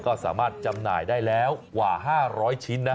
ก็สามารถจำหน่ายได้แล้วกว่า๕๐๐ชิ้นนะ